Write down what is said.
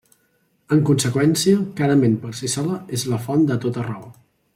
En conseqüència, cada ment per si sola és la font de tota raó.